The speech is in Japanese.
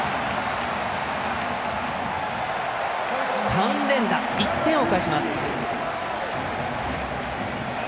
３連打１点をかえします。